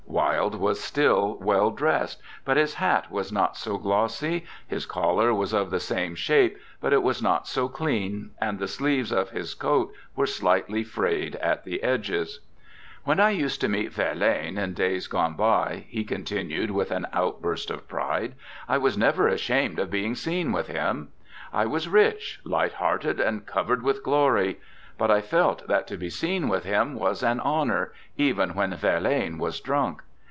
Wilde was still well dressed, but his hat was not so glossy; his collar was of the same shape, but it was not so clean, and the sleeves of his coat were slightly frayed at the edges. 'When I used to meet Verlaine in days gone by,' he continued with an outburst of pride, 'I was never ashamed of being seen with him. I was rich, light hearted, and covered with glory, but I felt that to be seen with him was an honour, even when Verlaine was drunk.'